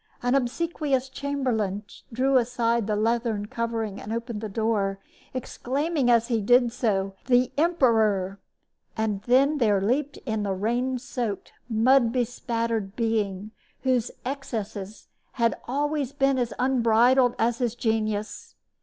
An obsequious chamberlain drew aside the leathern covering and opened the door, exclaiming as he did so, "The emperor!" And then there leaped in the rain soaked, mud bespattered being whose excesses had always been as unbridled as his genius.